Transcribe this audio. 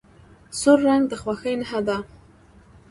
سور رنګ د خوښۍ نښه ده.